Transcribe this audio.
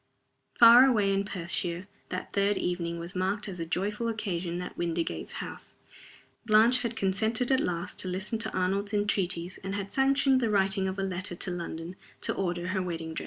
Far away in Perthshire that third evening was marked as a joyful occasion at Windygates House. Blanche had consented at last to listen to Arnold's entreaties, and had sanctioned the writing of a letter to London to order her wedding dress.